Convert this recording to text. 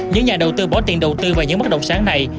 những nhà đầu tư bỏ tiền đầu tư vào những bất động sản này